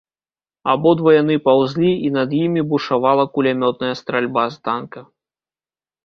Абодва яны паўзлі, і над імі бушавала кулямётная стральба з танка.